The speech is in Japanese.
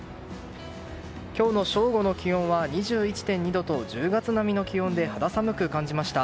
今日の正午の気温は２１．２度と１０月並みの気温で肌寒く感じました。